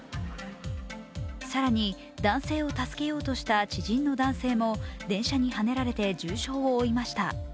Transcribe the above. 更に男性を助けようとした知人の男性も電車にはねられて重傷を負いました。